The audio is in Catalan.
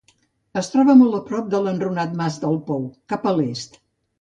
Es troba molt a prop de l'enrunat Mas del Pou, cap a l'Est.